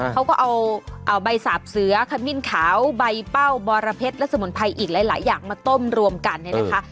เขาก็เอาใบสาบเสือขมิ้นขาวใบเป้าบรเพชรและสมุนไพรอีกหลายอย่างมาต้มรวมกันเนี่ยนะคะ